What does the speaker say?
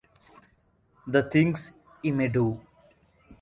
The things he may do!